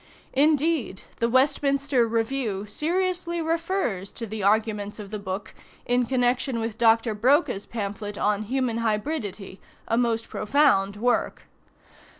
Indeed, the "Westminster Review" seriously refers to the arguments of the book in connection with Dr. Broca's pamphlet on Human Hybridity, a most profound work.